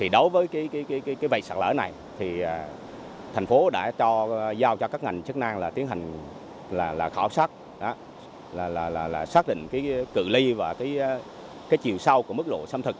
đối với bầy sạt lở này thành phố đã giao cho các ngành chức năng tiến hành khảo sát xác định cự li và chiều sau của mức lộ xâm thực